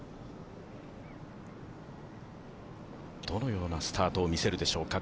どのようなスタートを見せるでしょうか